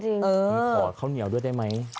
มีขอข้าวเหนียวด้วยได้ไหม